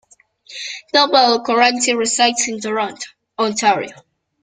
Dalbello currently resides in Toronto, Ontario.